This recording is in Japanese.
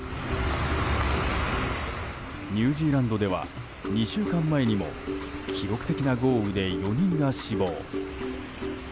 ニュージーランドでは２週間前にも記録的な豪雨で４人が死亡。